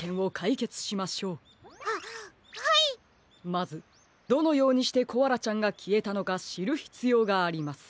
まずどのようにしてコアラちゃんがきえたのかしるひつようがあります。